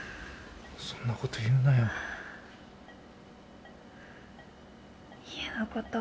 そんなこと言うなよ。